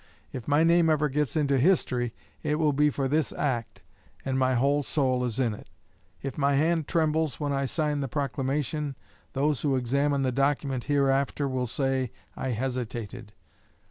If my name ever gets into history, it will be for this act, and my whole soul is in it. If my hand trembles when I sign the proclamation, those who examine the document hereafter will say I hesitated."